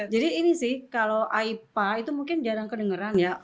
jadi ini sih kalau aepa itu mungkin jarang kedengeran ya